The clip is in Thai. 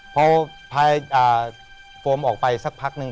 พอพายโฟมออกไปสักพักนึง